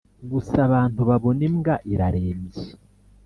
gusa, abantu babona imbwa irarembye.